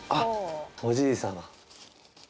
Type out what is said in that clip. おじい様。